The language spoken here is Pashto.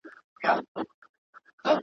چيري چي دود نه وي، هلته سود نه وي.